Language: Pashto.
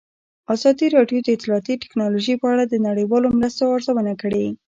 ازادي راډیو د اطلاعاتی تکنالوژي په اړه د نړیوالو مرستو ارزونه کړې.